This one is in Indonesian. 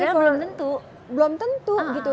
karena belum tentu belum tentu gitu